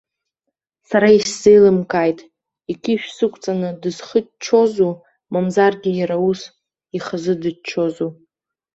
Сара исзеилымкааит, иқьышә сықәҵаны дысхыччозу, мамзаргьы иара ус, ихазы дыччозу.